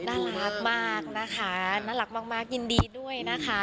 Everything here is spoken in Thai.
น่ารักมากนะคะน่ารักมากยินดีด้วยนะคะ